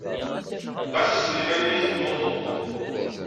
Ɣas ḥseb iman-nnek temmuted.